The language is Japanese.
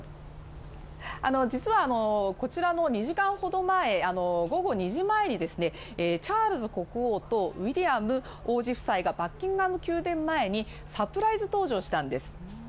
実は、こちらの２時間ほど前、午後２時前にチャールズ国王とウィリアム王子夫妻がバッキンガム宮殿前にサプライズ登場したんです。